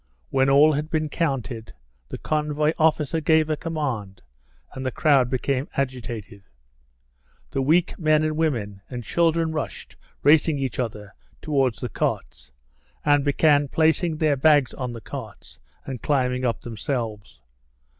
When all had been counted, the convoy officer gave a command, and the crowd became agitated. The weak men and women and children rushed, racing each other, towards the carts, and began placing their bags on the carts and climbing up themselves.